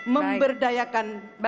memperdayakan dana desa